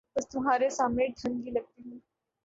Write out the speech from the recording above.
بس تمہارے سامنے ٹھگنی لگتی ہوں۔